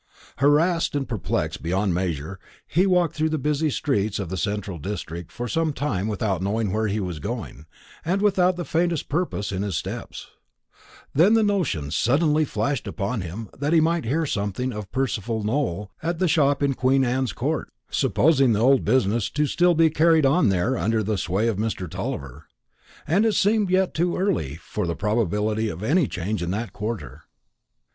Harassed and perplexed beyond measure, he walked through the busy streets of that central district for some time without knowing where he was going, and without the faintest purpose in his steps. Then the notion suddenly flashed upon him that he might hear something of Percival Nowell at the shop in Queen Anne's Court, supposing the old business to be still carried on there under the sway of Mr. Tulliver; and it seemed too early yet for the probability of any change in that quarter.